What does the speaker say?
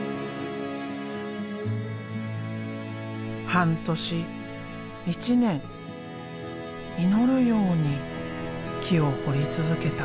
半年１年祈るように木を彫り続けた。